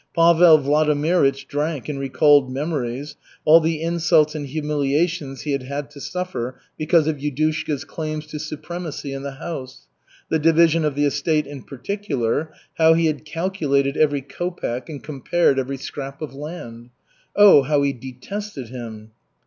Pavel Vladimirych drank and recalled memories, all the insults and humiliations he had had to suffer because of Yudushka's claims to supremacy in the house; the division of the estate in particular; how he had calculated every kopek and compared every scrap of land. Oh, how he detested him!